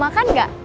mau makan gak